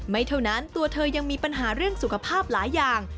ไม่เท่านั้นตัวเธอยังมีปัญหาเรื่องสุขภาพหลายอย่าง